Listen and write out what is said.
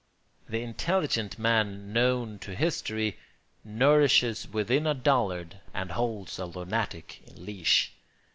The intelligent man known to history nourishes within a dullard and holds a lunatic in leash.